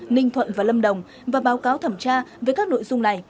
ninh thuận và lâm đồng và báo cáo thẩm tra về các nội dung này